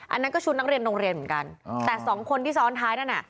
อันนั้นก็ชุดนักเรียนโรงเรียนเหมือนกันแต่สองคนที่ซ้อนท้ายนั่นน่ะ